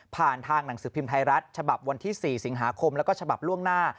ทางหนังสือพิมพ์ไทยรัฐฉบับวันที่๔สิงหาคมแล้วก็ฉบับล่วงหน้า